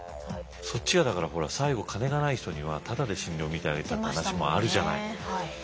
そっちがだからほら最後金がない人にはタダで診療診てあげたって話もあるじゃない？